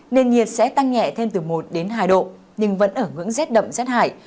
nền nhiệt sẽ tăng nhẹ thêm từ một đến hai độ nhưng vẫn ở ngưỡng rét đậm rét hại